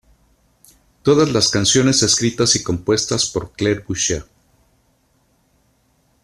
Todas las canciones escritas y compuestas por Claire Boucher.